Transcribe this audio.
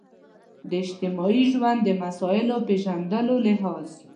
د اجتماعي ژوند د مسایلو پېژندلو لحاظ.